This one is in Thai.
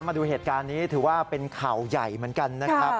มาดูเหตุการณ์นี้ถือว่าเป็นข่าวใหญ่เหมือนกันนะครับ